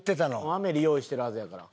『アメリ』用意してるはずやから。